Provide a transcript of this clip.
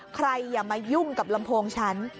อย่ามายุ่งกับลำโพงฉัน